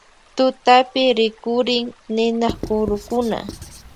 Tutapi rikurin ninakurukuna.